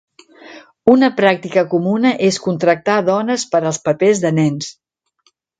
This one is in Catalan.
Una pràctica comuna és contractar dones per als papers de nens.